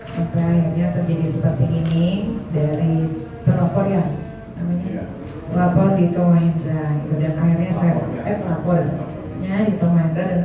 sampai akhirnya terjadi seperti ini dari laporan di tumah indah